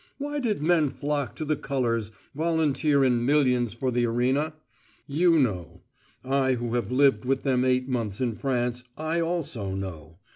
Why did men flock to the colours, volunteer in millions for the arena? You know. I who have lived with them eight months in France, I also know.